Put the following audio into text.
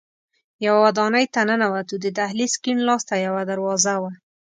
یوه ودانۍ ته ننوتو، د دهلېز کیڼ لاس ته یوه دروازه وه.